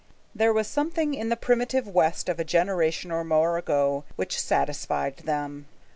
There was something in the primitive West of a generation or more ago which satisfied them.